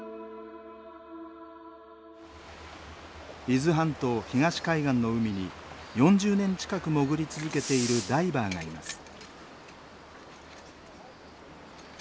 伊豆半島東海岸の海に４０年近く潜り続けているダイバーがいます。